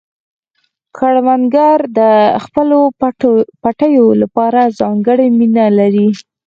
کروندګر د خپلو پټیو لپاره ځانګړې مینه لري